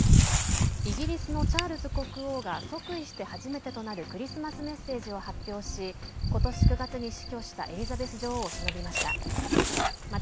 イギリスのチャールズ国王が即位して初めてとなるクリスマスメッセージを発表し今年９月に死去したエリザベス女王をしのびました。